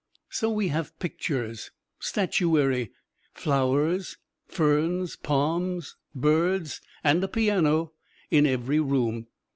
So we have pictures, statuary, flowers, ferns, palms, birds, and a piano in every room.